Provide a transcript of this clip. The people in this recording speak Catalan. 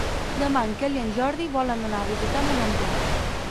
Demà en Quel i en Jordi volen anar a visitar mon oncle.